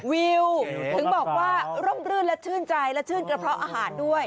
วิวถึงบอกว่าร่มรื่นและชื่นใจและชื่นกระเพาะอาหารด้วย